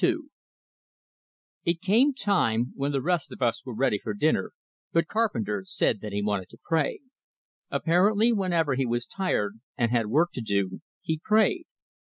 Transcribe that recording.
XXXII It came time when the rest of us were ready for dinner, but Carpenter said that he wanted to pray. Apparently, whenever he was tired, and had work to do he prayed.